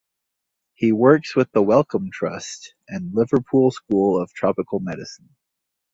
He works with the Wellcome Trust and Liverpool School of Tropical Medicine.